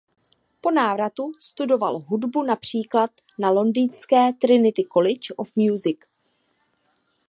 Po návratu studoval hudbu například na londýnské Trinity College of Music.